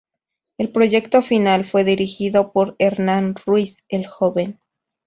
El proyecto final fue dirigido por Hernán Ruiz, el Joven.